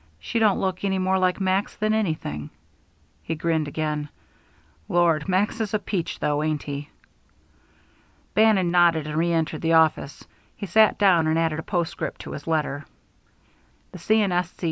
She don't look any more like Max than anything." He grinned again. "Lord, Max is a peach, though, ain't he." Bannon nodded and reëntered the office. He sat down and added a postscript to his letter: The C. & S. C.